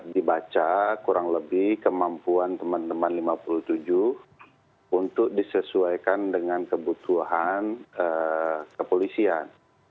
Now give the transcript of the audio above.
dibaca kurang lebih kemampuan teman teman lima puluh tujuh untuk disesuaikan dengan kebutuhan kepolisian